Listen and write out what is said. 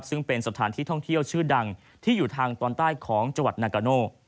ซึ่งเป็นสถานที่ท่องเที่ยวชื่อดังที่อยู่ทางตอนใต้ของจังหวัดนากาโน